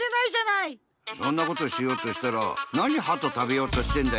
そんなことしようとしたら「なにハトたべようとしてんだよ！」